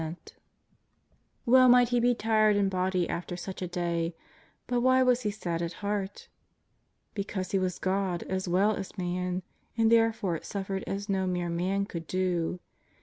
47 JimJS OF NAZARETH, 177 Well might He be tired in body after sucli a day, but why was He sad at heart? Because He was God as well as man, and therefore suffered as no mere man could do.